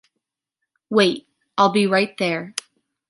Wait, I’ll be right there.